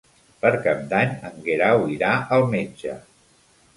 Per Cap d'Any en Guerau irà al metge.